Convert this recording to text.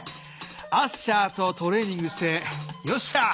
アッシャーとトレーニングしてよっしゃー。